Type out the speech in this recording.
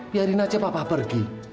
biarin aja papa pergi